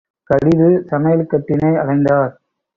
கடிது சமையல் கட்டினை அடைந்தார்.